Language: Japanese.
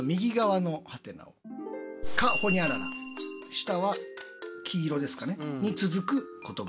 下は黄色ですかねに続く言葉。